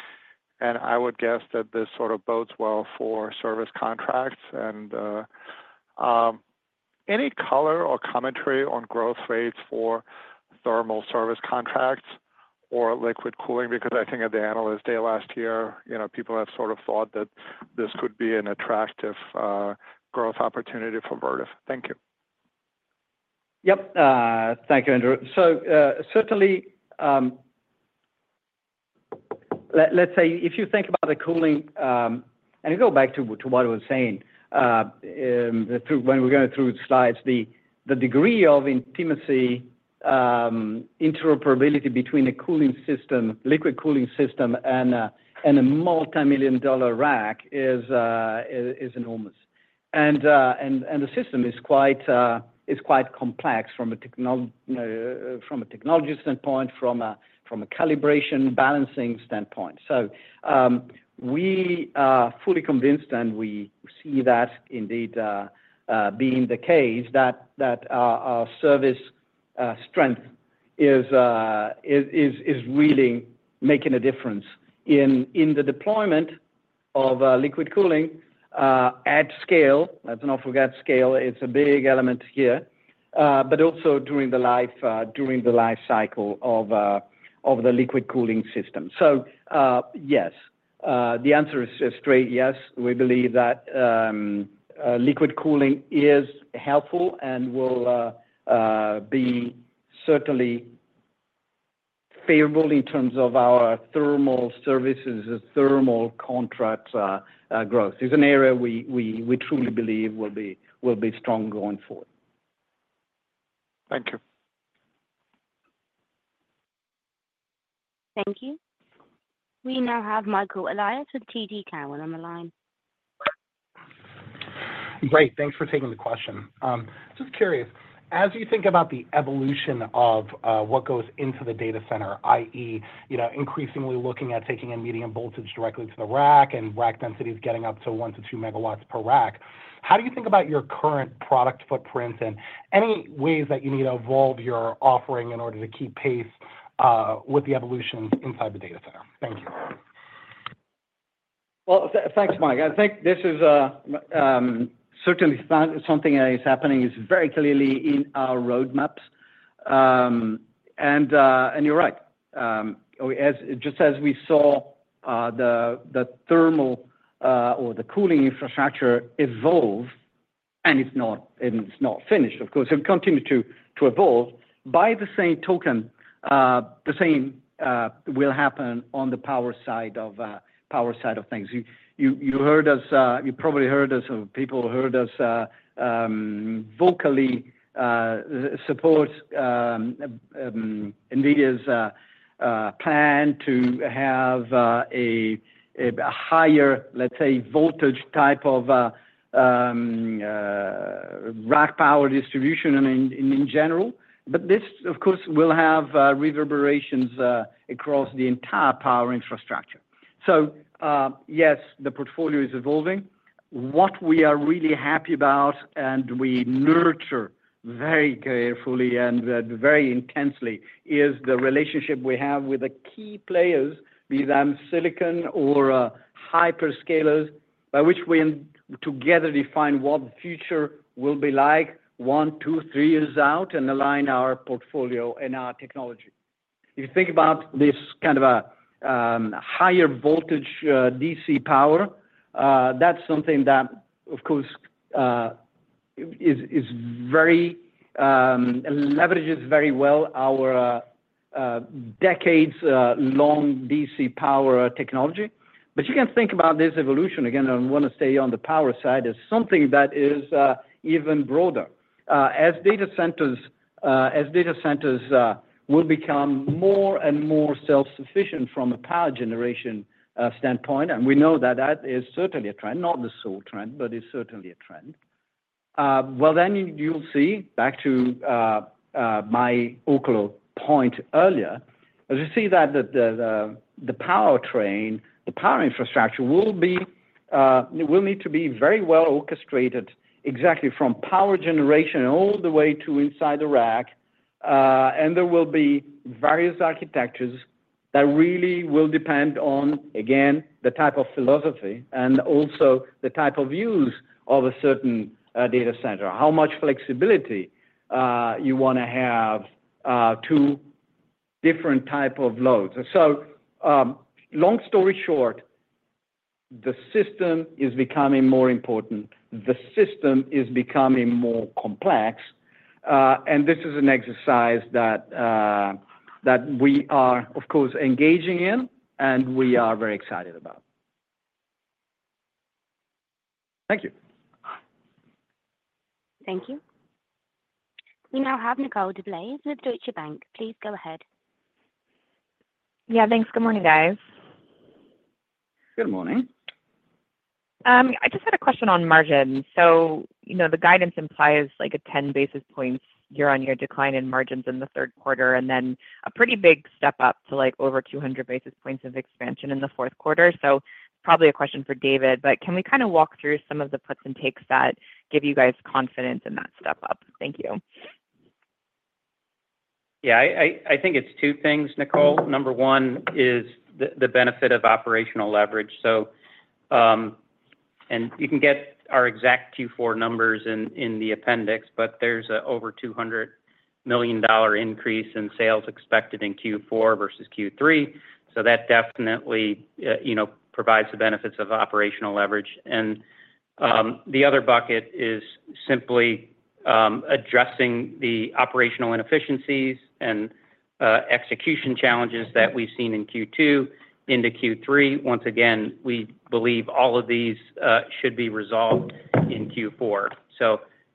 I would guess that this sort of bodes well for service contracts and any color or commentary on growth rates for thermal service contracts or Liquid Cooling. Because I think at the analyst day last year, people have sort of thought that this could be an attractive growth opportunity for Vertiv. Thank you. Yep. Thank you, Andrew. Certainly, let's say if you think about the cooling and you go back to what I was saying when we go through slides, the degree of intimacy, interoperability between a cooling system, Liquid Cooling system, and a multimillion dollar rack is enormous. The system is quite complex from a technology standpoint, from a calibration balancing standpoint. We are fully convinced and we see that indeed being the case, that our service strength is really making a difference in the deployment of Liquid Cooling at scale. Let's not forget scale. It's a big element here, but also during the life cycle of the Liquid Cooling system. Yes, the answer is straight. Yes, we believe that Liquid Cooling is helpful and will be certainly favorable in terms of our thermal services. Thermal contract growth is an area we truly believe will be strong going forward. Thank you. Thank you. We now have Michael Elias with TD Cowen on the line. Great. Thanks for taking the question. Just curious as you think about the evolution of what goes into the data center that is increasingly looking at taking a medium voltage directly to the rack, and rack density is getting up to 1-2 megawatts per rack. How do you think about your current product footprint and any ways that you need to evolve your offering in order to keep pace with the evolution inside the data center? Thank you. Thank you, Mike. I think this is certainly something that is happening very clearly in our roadmaps. And you're right. Just as we saw the thermal or the cooling infrastructure evolve, and it's not finished. Of course it continues to evolve. By the same token, the same will happen on the power side of things. You heard us, you probably heard us. People heard us. Vocally support NVIDIA's plan to have a higher, let's say, voltage type of rack power distribution in general. This, of course, will have reverberations across the entire power infrastructure. Yes, the portfolio is evolving. What we are really happy about and we nurture very carefully and very intensely is the relationship we have with the key players, be them silicon or Hyperscalers, by which we together define what the future will be like. One, two, three years out and align our portfolio and our technology. If you think about this kind of a higher voltage DC power, that's something that of course leverages very well our decades-long DC power technology. You can think about this evolution again. I want to stay on the power side as something that is even broader as data centers will become more and more self-sufficient from a power generation standpoint. We know that that is certainly a trend, not the sole trend, but it's certainly a trend. You will see, back to my Oklo point earlier, as you see that the powertrain, the power infrastructure will need to be very well orchestrated exactly from power generation all the way to inside a rack. There will be various architectures that really will depend on, again, the type of philosophy and also the type of use of a certain data center, how much flexibility you want to have to different types of loads. Long story short, the system is becoming more important, the system is becoming more complex, and this is an exercise that we are of course engaging in and we are very excited about. Thank you. Thank you. We now have Nicole DeBlase with Deutsche Bank. Please go ahead. Yeah, thanks. Good morning, guys. Good morning. I just had a question on margin, the guidance implies like a 10 basis points year-on-year decline in margins in the third quarter, a pretty big step up to like over 200 basis points of expansion in the fourth quarter. Probably a question for David, but can we kind of walk through some of the puts and takes that give you guys confident in that step up? Thank you. Yeah. I think it's two things, Nicole. Number one is the benefit of operational leverage. You can get our exact Q4 numbers in the appendix, but there's over $200 million increase in sales expected in Q4 versus Q3. That definitely provides the benefits of operational leverage. The other bucket is simply addressing the operational inefficiencies and execution challenges that we've seen in Q2 and into Q3. Once again, we believe all of these should be resolved in Q4.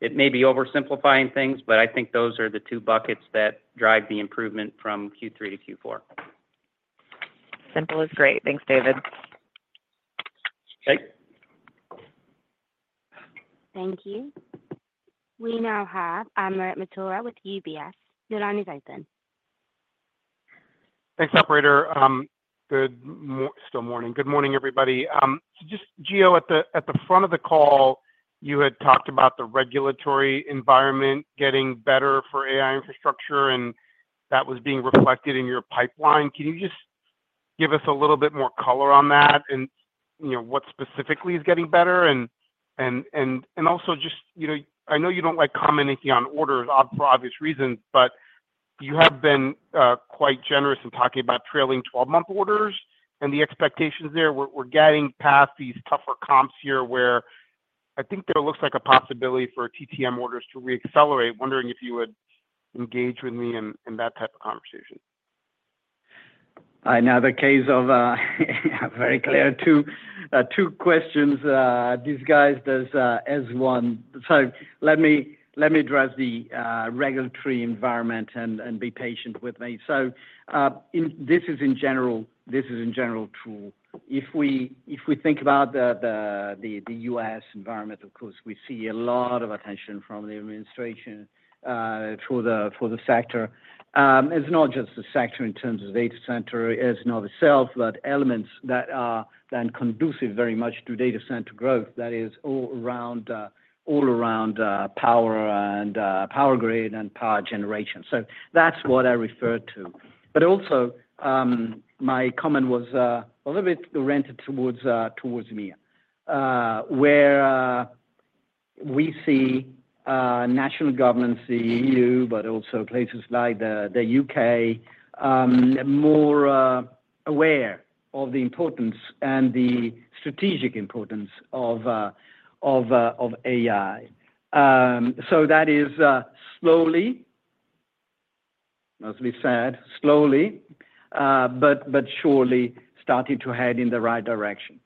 It may be oversimplifying things, but I think those are the two buckets that drive the improvement from Q3 to Q4. Simple is great. Thanks David. Thank you. We now have Amaruta Mathura with UBS. Your line is open. Thanks, operator. Good still morning. Good morning, everybody. Just Gio, at the front of the call you had talked about the regulatory environment getting better for AI Infrastructure and that was being reflected in your pipeline. Can you just give us a little bit more color on that? What specifically is getting better? Also, just I know you don't like commenting on orders for obvious reasons, but you have been quite generous in talking about trailing twelve month orders and the expectations there. We're getting past these tougher comps here where I think there looks like a possibility for TTM orders to reaccelerate. Wondering if you would engage with me in that type of conversation. Another case of very clear two questions disguised as S1. Let me address the regulatory environment and be patient with me. This is in general true, if we think about the U.S. environment, of course we see a lot of attention from the administration for the sector. It is not just the sector in terms of data center as and of itself, but elements that are then conducive very much to data center growth that is all around, all around power and power grid and power generation. That is what I refer to. Also, my comment was a little bit oriented towards me where we see national governments, the EU, but also places like the U.K. more aware of the importance and the strategic importance of AI. That is slowly, as we said, slowly but surely starting to head in the right direction.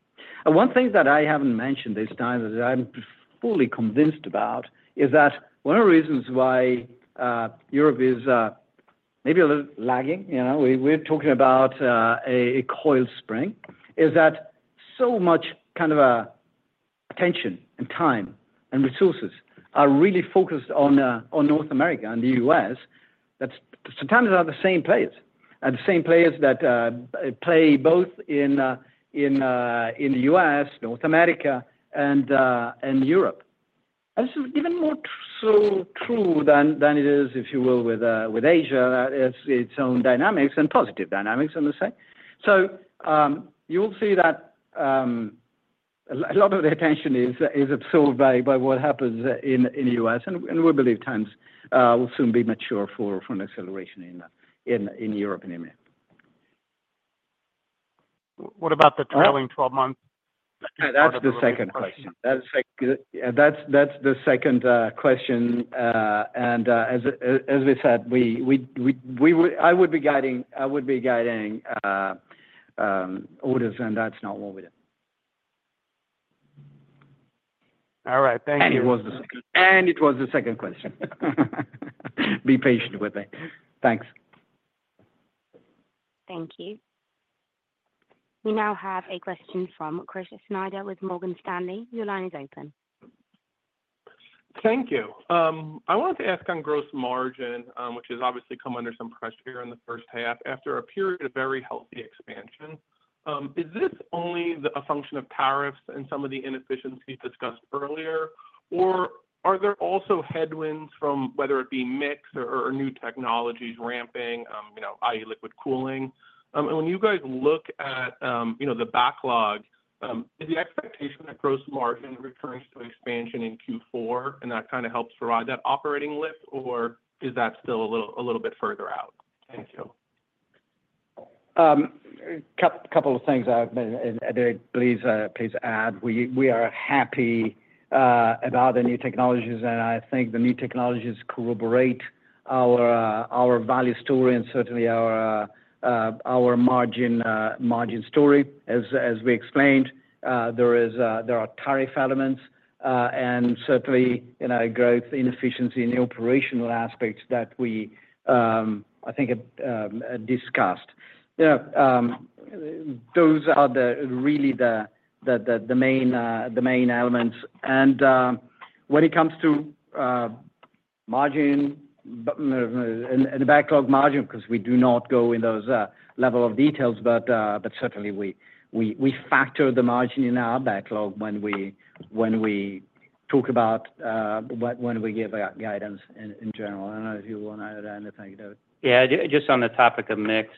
One thing that I have not mentioned this time that I am fully convinced about is that one of the reasons why Europe is maybe a little lagging, we are talking about a coil spring, is that so much kind of attention and time and resources are really focused on North America and the U.S. that sometimes are the same players, the same players that play both in the U.S., North America and Europe. This is even more so true than it is, if you will, with Asia. It has its own dynamics and positive dynamics, I must say. You will see that a lot of the attention is absorbed by what happens in the U.S. and we believe times will soon be mature for an acceleration in Europe and EMEA. What about the trailing twelve-month? That's the second question. As we said, I would be guiding orders and that's not what we did. All right, thank you. It was the second question. Be patient with me. Thanks. Thank you. We now have a question from Chris Snyder with Morgan Stanley. Your line is open. Thank you. I wanted to ask on gross margin, which has obviously come under some pressure here in the first half after a period of very healthy expansion. Is this only a function of tariffs some of the inefficiencies discussed earlier or are there also headwinds from whether it be mix or new technologies ramping that is Liquid Cooling, when you guys look at the backlog, is the expectation that gross margin returns to expansion in Q4 and that kind of helps provide that operating lift or is that still a little, a little bit further out? Thank you. Couple of things, please add. We are happy about the new technologies and I think the new technologies corroborate our value story and certainly our margin story. As we explained, there are tariff elements and certainly growth inefficiency in the operational aspects that we, I think, discussed. Those are really the main elements. When it comes to margin and backlog margin, because we do not go in those level of details, but certainly we factor the margin in our backlog when we talk about, when we give our guidance in general. I don't know if you want to add David. Yeah. Just on the topic of mix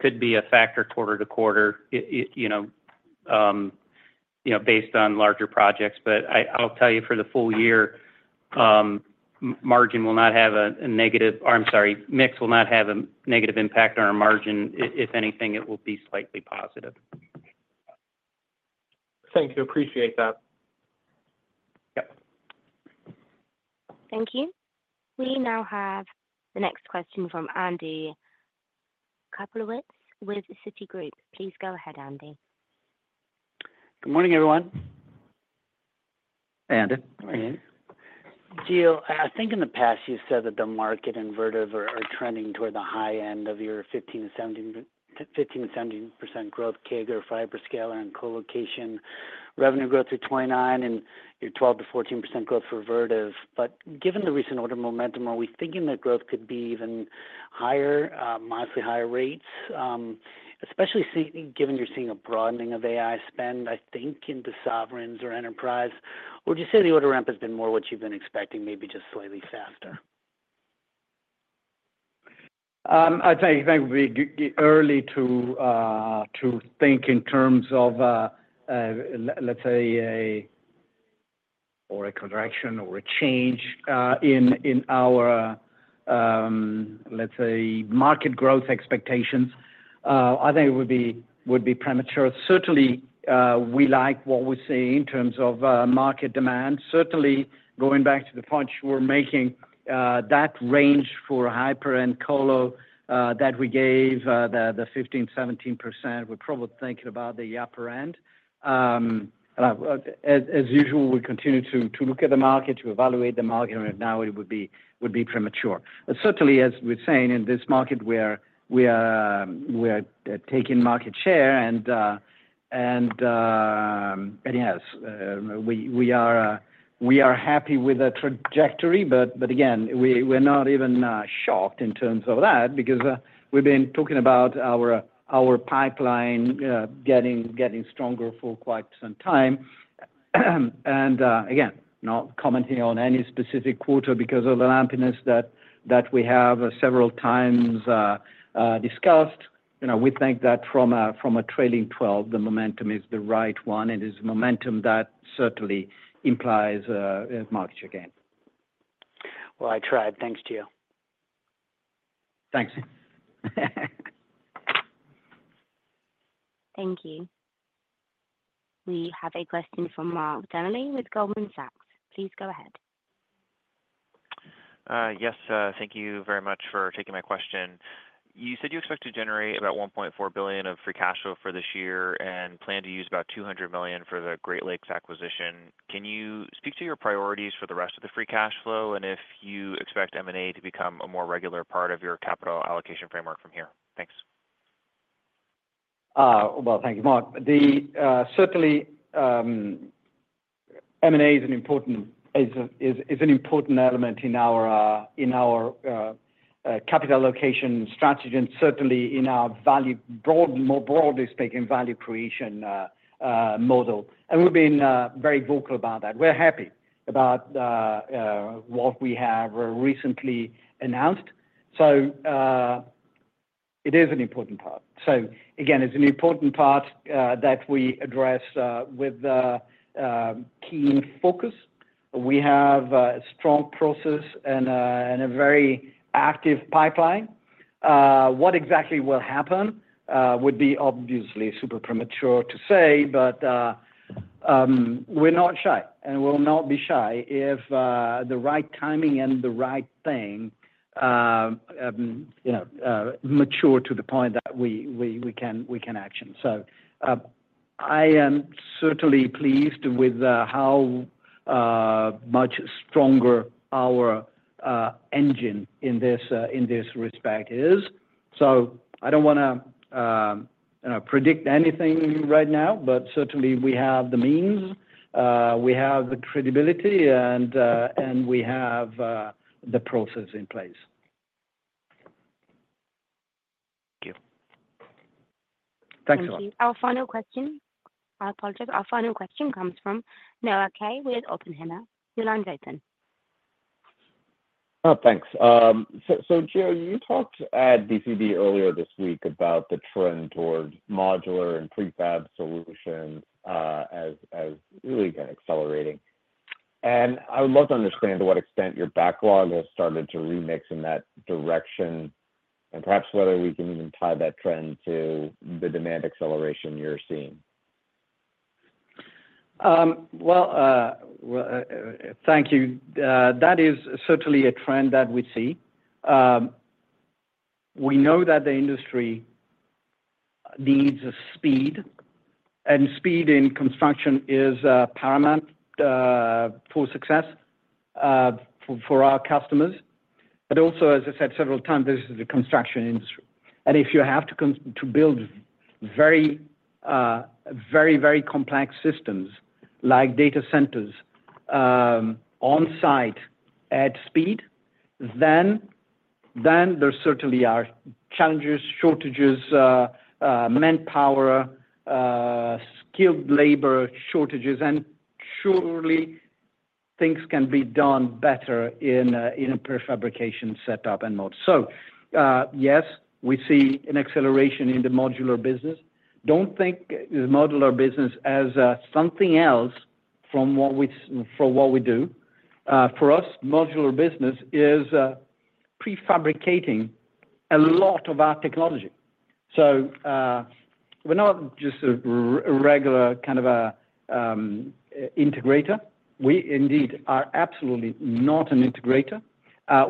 could be a factor quarter to quarte based on larger projects. I'll tell you, for the full year, mix will not have a negative impact on our margin. If anything, it will be slightly positive. Thank you. Appreciate that. Thank you. We now have the next question from Andy Kaplowitz with Citigroup. Please go ahead, Andy. Good morning everyone. I think in the past you said that the market in Vertiv are trending toward the high end of your 15%-17% growth. CAGR, fiber, scalar and Colocation revenue growth through 2029 and your 12%-14% growth for Vertiv. Given the recent order momentum, are we thinking that growth could be even higher? Modestly higher rates? Especially given you're seeing a broadening of AI spend, I think into sovereigns or enterprise. Do you say the order ramp has been more what you've been expecting, maybe just slightly faster? I think early to think in terms of let's say, or a contraction or a change in our, let's say market growth expectations. I think it would be premature. Certainly we like what we see in terms of market demand. Certainly going back to the point we're making, that range for hyper and colo that we gave, the 15%-17% we're probably thinking about the upper end as usual. We continue to look at the market, to evaluate the market. Right now it would be premature. Certainly as we're saying in this market, we are taking market share and yes we are, we are happy with the trajectory. Again, we're not even shocked in terms of that because we've been talking about our pipeline getting stronger for quite some time and again, not commenting on any specific quarter because of the lumpiness that we have several times discussed. We think that from a trailing twelve, the momentum is the right one and is momentum that certainly implies market share gain. I tried. Thanks, Gio. Thanks. Thank you. We have a question from Mark Delaney with Goldman Sachs. Please go ahead. Yes, thank you very much for taking my question. You said you expect to generate about $1.4 billion of free cash flow for this year and plan to use about $200 million for the Great Lakes acquisition. Can you speak to your priorities for the rest of the free cash flow and if you expect M&A to become a more regular part of your capital allocation framework from here? Thank you, Mark. Certainly M&A is an important element in our capital allocation strategy and certainly in our value, more broadly speaking, value creation. We have been very vocal about that. We are happy about what we have recently announced. It is an important part. Again, it is an important part that we address with keen focus. We have a strong process and a very active pipeline. What exactly will happen would be obviously super premature to say. We are not shy and will not be shy if the right timing and the right thing mature to the point that we can action. I am certainly pleased with how much stronger our engine in this respect is. I do not want to predict anything right now, but certainly we have the means, we have the credibility and we have the process in place. Thank you. Thanks a lot. Our final question, I apologize. Our final question comes from Noah Kaye with Oppenheimer. Your line is open. Thanks. Gio, you talked at DCD earlier. This week about the trend towards modular and prefab solutions as really kind of accelerating. I would love to understand to what extent your backlog has started to remix in that direction and perhaps whether we can even tie that trend to the demand acceleration you're seeing. Thank you. That is certainly a trend that we see. We know that the industry needs speed, and speed in construction is paramount for success for our customers. Also, as I said several times, this is the construction industry. If you have to build very, very, very complex systems like data centers on site at speed, then there certainly are challenges, shortages, manpower, skilled labor shortages. Surely things can be done better in a prefabrication setup and mode. Yes, we see an acceleration in the modular business. Do not think the modular business as something else from what we do. For us, modular business is prefabricating a lot of our technology. We are not just a regular kind of integrator. We indeed are absolutely not an integrator.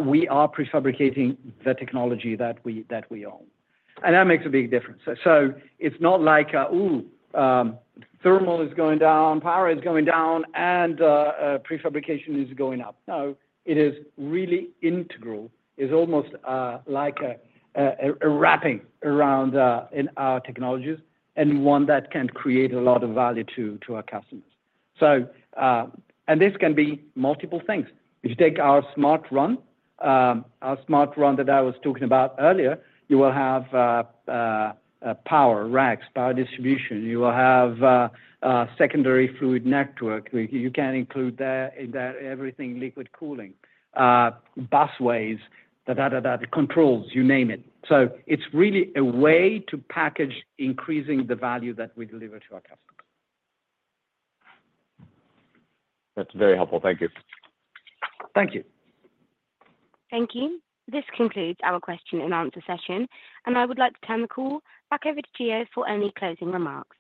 We are prefabricating the technology that we own, and that makes a big difference. It is not like, oh, thermal is going down, power is going down, and prefabrication is going up. No, it is really integral. It is almost like a wrapping around in our technologies and one that can create a lot of value to our customers. This can be multiple things. If you take our SmartRun that I was talking about earlier, you will have power racks, power distribution, you will have secondary fluid network. You can include everything. Liquid cooling, busways, controls, you name it. It is really a way to package increasing the value that we deliver to our customers. That's very helpful. Thank you. Thank you. Thank you. This concludes our question and answer session, and I would like to turn the call back over to Gio for any closing remarks.